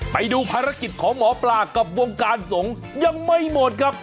ไปดูภารกิจของหมอปลากับวงการสงฆ์ยังไม่หมดครับ